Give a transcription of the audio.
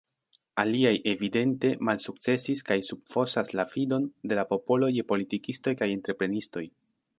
Aliaj evidente malsukcesis kaj subfosas la fidon de la popolo je politikistoj kaj entreprenistoj.